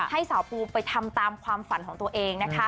ให้สาวปูไปทำตามความฝันของตัวเองนะคะ